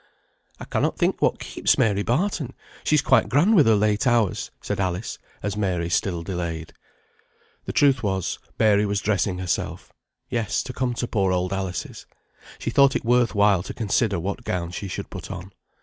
"I cannot think what keeps Mary Barton. She's quite grand with her late hours," said Alice, as Mary still delayed. The truth was, Mary was dressing herself; yes, to come to poor old Alice's she thought it worth while to consider what gown she should put on.